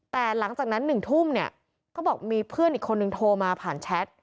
แต่หลังจากนั้น๑ทุ่มเนี่ยเขาบอกมีเพื่อนอีกคนนึงโทรมาผ่านแชท